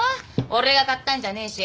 「俺が買ったんじゃねえし」